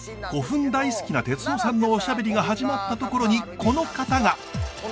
古墳大好きな哲夫さんのおしゃべりが始まったところにこの方が。